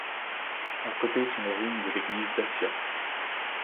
À côté sont les ruines de l'église d'Accia.